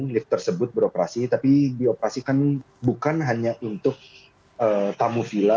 lift tersebut beroperasi tapi dioperasikan bukan hanya untuk tamu vila